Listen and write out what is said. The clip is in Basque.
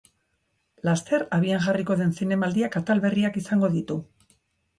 Laster abian jarriko den zinemaldiak atal berriak izango ditu.